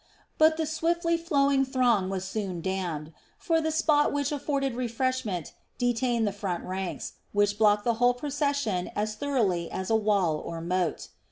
But the swiftly flowing throng was soon dammed; for the spot which afforded refreshment detained the front ranks, which blocked the whole procession as thoroughly as a wall or moat.